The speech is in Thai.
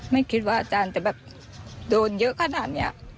ไม่คิดว่าอาจารย์จะแบบโดนเยอะขนาดนี้